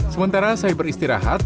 sementara saya beristirahat